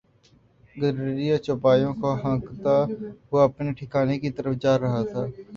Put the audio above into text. گڈریا چوپایوں کو ہانکتا ہوا اپنے ٹھکانے کی طرف جا رہا تھا۔